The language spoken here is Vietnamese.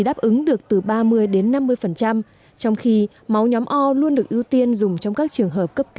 đáp ứng được từ ba mươi đến năm mươi trong khi máu nhóm o luôn được ưu tiên dùng trong các trường hợp cấp bốn